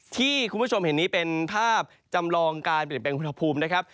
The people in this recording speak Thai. ที่คุณผู้ชมเห็นนี้เป็นภาพจำลองการเปลี่ยนแปลงอุณหภูมินะครับ